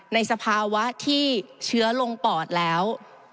สภาวะที่เชื้อลงปอดแล้ว